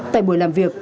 tại buổi làm việc